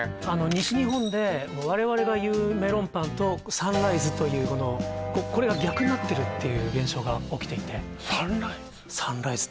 西日本で我々が言うメロンパンとサンライズというこれが逆になってるっていう現象が起きていてサンライズ？